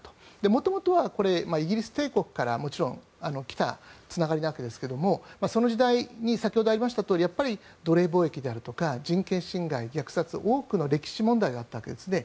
元々はイギリス帝国から来たつながりなわけですけどもその時代に先ほどありましたとおりやっぱり、奴隷貿易であるとか人権侵害、虐殺多くの歴史問題があったわけですね。